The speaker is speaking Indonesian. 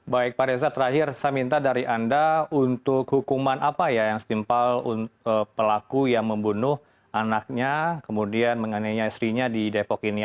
baik pak reza terakhir saya minta dari anda untuk hukuman apa ya yang setimpal pelaku yang membunuh anaknya kemudian menganiaya istrinya di depok ini